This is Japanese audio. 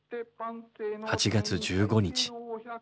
８月１５日。